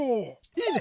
いいね！